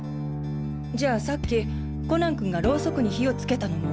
じゃあさっきコナン君がロウソクに火をつけたのも。